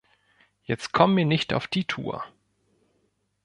Jetzt komm mir nicht auf die Tour.